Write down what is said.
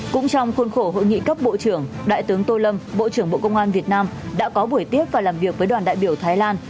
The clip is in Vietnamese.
cũng trong khuôn khổ hội nghị cấp bộ trưởng đại tướng tô lâm bộ trưởng bộ công an việt nam đã có buổi tiếp và làm việc với đoàn đại biểu thái lan